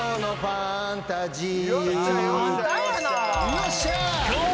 よっしゃ！